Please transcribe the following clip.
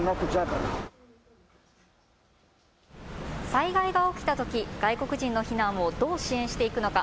災害が起きたとき外国人の避難をどう支援していくのか。